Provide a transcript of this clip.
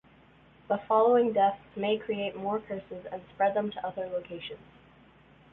The following deaths may create more curses and spread them to other locations.